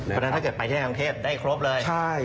เพราะฉะนั้นถ้าเกิดไปเทศได้ครบเลย